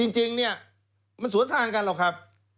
จริงเนี่ยมันสวนทางกันหรอกครับ